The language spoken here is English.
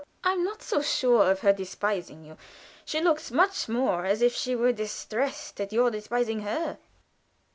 I am not so sure of her despising you. She looks much more as if she were distressed at your despising her."